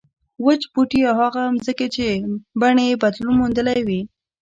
وچ بوټي او هغه ځمکې چې بڼې یې بدلون موندلی وي.